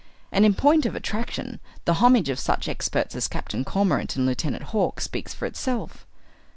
And in point of attraction the homage of such experts as Captain Cormorant and Lieutenant Hawk speaks for itself.